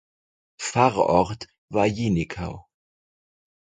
Pfarrort war Jenikau.